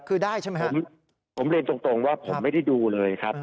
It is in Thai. คือได้ใช่ไหมผมเรียนตรงว่าผมไม่ได้ดูเลยครับ